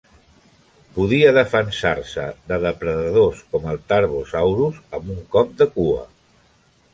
Podia defensar-se de depredadors com el "Tarbosaurus" amb un cop de cua.